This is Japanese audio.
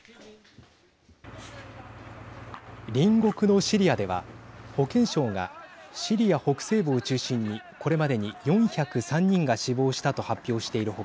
隣国のシリアでは保健省がシリア北西部を中心にこれまでに４０３人が死亡したと発表している他